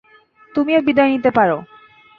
তুমিও বিদায় নিতে পারো।